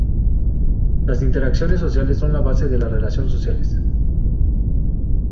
Las interacciones sociales son la base de la relación sociales.